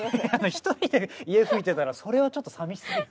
１人で家で吹いてたらそれはちょっと寂しすぎる。